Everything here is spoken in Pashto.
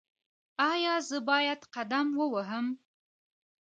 ایا زه باید قدم ووهم؟